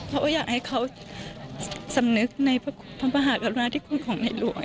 เพราะว่าอยากให้เขาสำนึกในพระมหากรุณาธิคุณของในหลวง